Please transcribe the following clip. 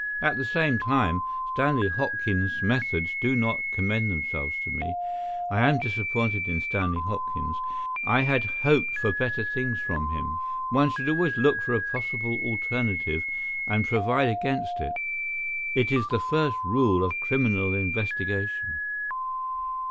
At the same time, Stanley Hopkins's methods do not commend themselves to me. I am disappointed in Stanley Hopkins. I had hoped for better things from him. One should always look for a possible alternative, and provide against it. It is the first rule of criminal investigation."